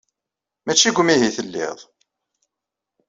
Maci deg umihi ay telliḍ.